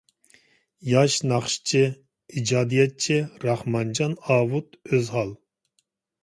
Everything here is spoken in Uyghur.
ياش ناخشىچى، ئىجادىيەتچى راخمانجان ئاۋۇت ئۆزھال.